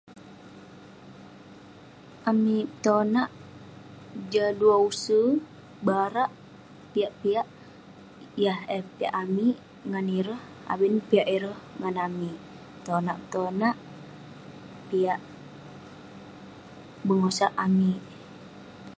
Amik tonak jah duah use, barak piak piak yah eh piak amik ngan ireh, abin piak ireh ngan amik. Tonak tonak piak bengosak amik.